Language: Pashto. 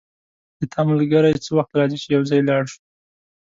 د تا ملګری څه وخت راځي چی یو ځای لاړ شو